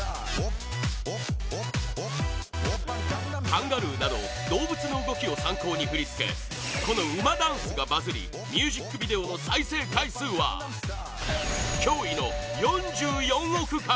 カンガルーなど動物の動きを参考に振り付けこの馬ダンスがバズりミュージックビデオの再生回数は驚異の４４億回！